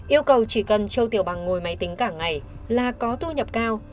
yêu cầu chỉ cần trâu tiểu bằng ngồi máy tính cả ngày là có thu nhập cao